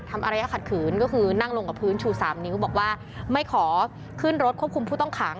อารยะขัดขืนก็คือนั่งลงกับพื้นชู๓นิ้วบอกว่าไม่ขอขึ้นรถควบคุมผู้ต้องขัง